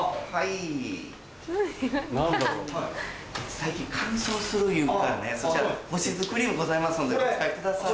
最近乾燥するいうからねそちら保湿クリームございますのでお使いください。